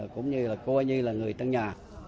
cũng như là cô ấy như là người tân nhà